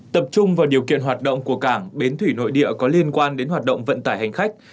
tập trung vào điều kiện hoạt động của cảng bến thủy nội địa có liên quan đến hoạt động vận tải hành khách